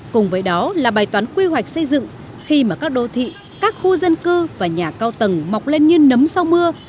cùng với đó là bài toán quy hoạch xây dựng khi mà các đô thị các khu dân cư và nhà cao tầng mọc lên như nấm sau mưa